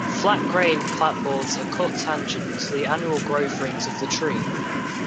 "Flat-grain" clapboards are cut tangent to the annual growth rings of the tree.